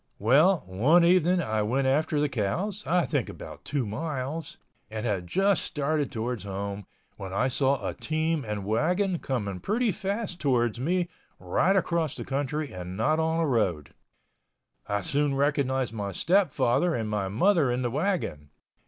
Well, one evening I went after the cows—I think about two miles—and had just started towards home, when I saw a team and wagon coming pretty fast towards me right across the country and not on a road. I soon recognized my stepfather and my mother in the wagon.